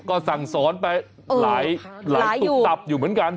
ก็สั่งสอนไปหลายตุ๊บตับอยู่เหมือนกัน